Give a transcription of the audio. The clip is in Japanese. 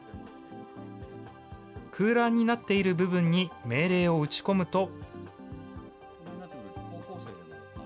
空欄になっている部分に命令を打ち込むと。